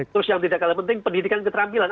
terus yang tidak kalah penting pendidikan keterampilan